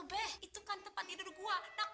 wah emak tersayang